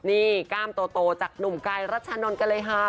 นี่กล้ามโตจากหนุ่มไกรรัชนรกะเลยฮา